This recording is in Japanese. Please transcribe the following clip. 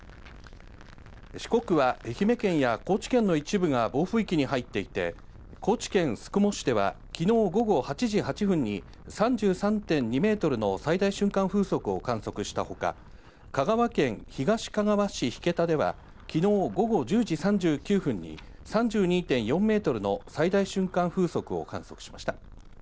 四国は愛媛県や高知県の一部が暴風域に入っていて、高知県宿毛市では、きのう午後８時８分に３３．２メートルの最大瞬間風速を観測したあと、香川県東かがわ市引田では、きのう午後１０時３９分に３２．４メートルの最大瞬間風速を観測しました。